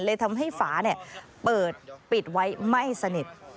เลยทำให้ฝาเปิดปิดไว้ไม่สนิท